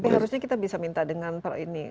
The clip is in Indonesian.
harusnya kita bisa minta dengan